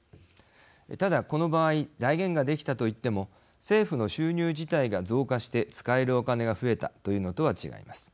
ただ、この場合財源ができたといっても政府の収入自体が増加して使えるお金が増えたというのとは違います。